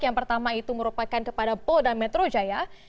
yang pertama itu merupakan kepada polda metro jaya